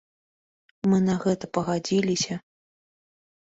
Мы на гэта пагадзіліся.